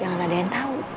jangan ada yang tau